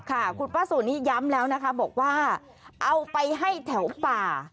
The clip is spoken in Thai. ค่ะคุณป้าส่วนนี้ย้ำแล้วนะคะบอกว่าเอาไปให้แถวป่า